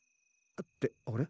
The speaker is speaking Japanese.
ってあれ？